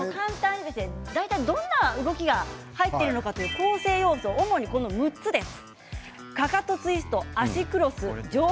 大体どんな動きが入っているのか構成要素、主に６つです。